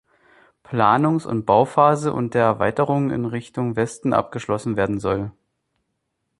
Planungs- und Bauphase und der Erweiterung in Richtung Westen abgeschlossen werden soll.